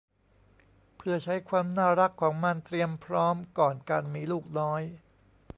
เพื่อใช้ความน่ารักของมันเตรียมพร้อมก่อนการมีลูกน้อย